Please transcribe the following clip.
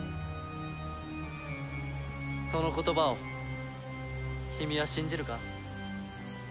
その言葉を君は信じるか？